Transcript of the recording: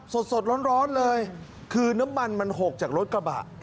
สดร้อนเลยคือน้ำมันมันหกจากรถกระบะ